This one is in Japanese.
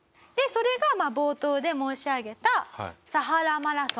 それが冒頭で申し上げた。